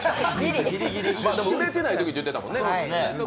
でも売れてないときって言ってたもんね。